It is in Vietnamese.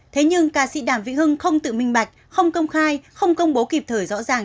thế nhưng ca sĩ đàm vĩ hưng không tự minh bạch không công khai không công bố kịp thời rõ ràng